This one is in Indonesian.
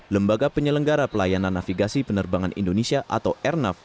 lembaga penyelenggara pelayanan navigasi penerbangan indonesia atau airnav